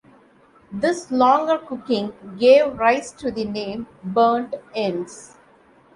This longer cooking gave rise to the name "burnt ends".